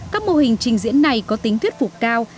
các mô hình trình diễn này có tính thuyết phục cao